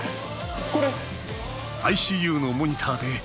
これ！